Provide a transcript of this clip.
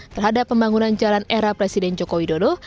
terhadap pembangunan jalan era presiden joko widodo